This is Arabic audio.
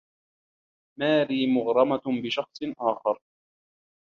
ماري مغرمة بشخص آخر.